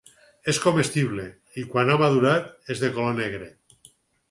És comestible i, quan ha madurat, és de color negre.